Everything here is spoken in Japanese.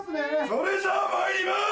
それじゃあまいります！